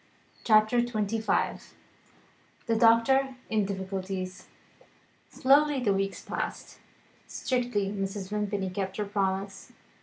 CHAPTER XXV THE DOCTOR IN DIFFICULTIES SLOWLY the weeks passed. Strictly Mrs. Vimpany kept her promise.